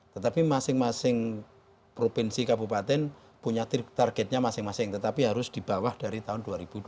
tetapi masing masing provinsi kabupaten punya targetnya masing masing tetapi harus di bawah dari tahun dua ribu dua puluh